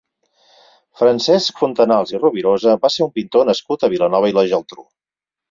Francesc Fontanals i Rovirosa va ser un pintor nascut a Vilanova i la Geltrú.